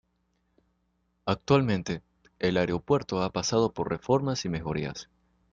Actualmente, el aeropuerto ha pasado por reformas y mejorías.